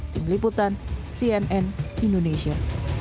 tim liputan cnn indonesia